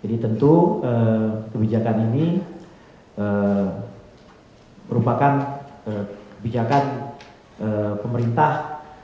jadi tentu kebijakan ini merupakan kebijakan pemerintah